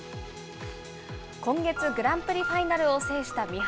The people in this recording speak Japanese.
今月、グランプリファイナルを制した三原。